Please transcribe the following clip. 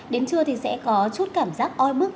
đến trưa thì sẽ có chút cảm giác oi bức